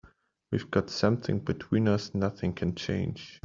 We've got something between us nothing can change.